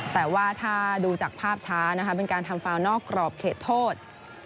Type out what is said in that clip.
แต่ว่าถ้าดูจากภาพช้านะคะเป็นการทำฟาวนอกกรอบเขตโทษ